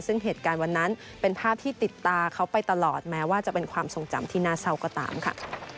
ซึ่งเหตุการณ์วันนั้นเป็นภาพที่ติดตาเขาไปตลอดแม้ว่าจะเป็นความทรงจำที่น่าเศร้าก็ตามค่ะ